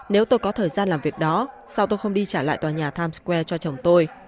nếu tôi có thời gian làm việc đó sau tôi không đi trả lại tòa nhà times square cho chồng tôi